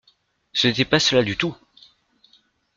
Ce n’était pas cela du tout.